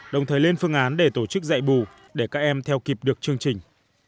đồng thời lên phương án để tổ chức dạy bù để các em theo kịp được chương trình